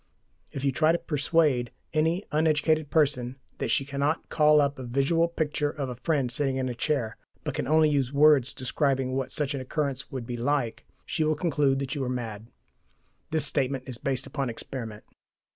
If you try to persuade any uneducated person that she cannot call up a visual picture of a friend sitting in a chair, but can only use words describing what such an occurrence would be like, she will conclude that you are mad. (This statement is based upon experiment.)